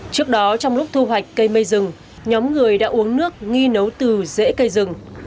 trước đó trong lúc thu hoạch cây mây rừng nhóm người đã uống nước nghi nấu từ dễ cây rừng